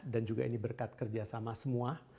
dan juga ini berkat kerjasama semua